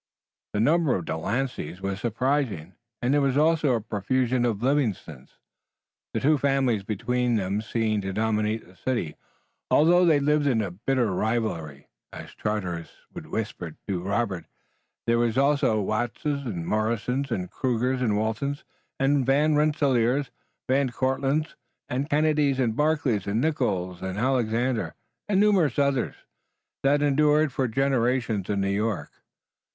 The number of De Lanceys was surprising and there was also a profusion of Livingstons, the two families between them seeming to dominate the city, although they lived in bitter rivalry, as Charteris whispered to Robert. There were also Wattses and Morrises and Crugers and Waltons and Van Rensselaers, Van Cortlandts and Kennedys and Barclays and Nicolls and Alexanders, and numerous others that endured for generations in New York.